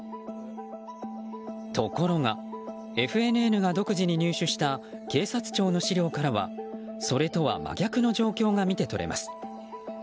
ところがＦＮＮが独自に入手した警察庁の資料にはそれとは真逆の状況が見て取れます。